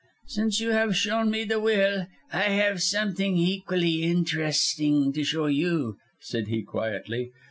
"Since you have shown me the will, I have something equally interesting to show you," said he, quietly.